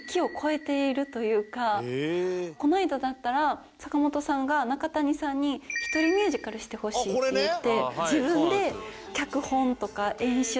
この間だったら阪本さんが中谷さんに「１人ミュージカルしてほしい」って言って。